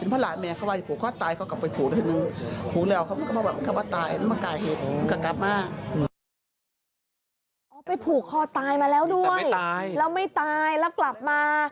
พอไปผูกคอตายมาแล้วด้วยแล้วไม่ตายแล้วกลับมา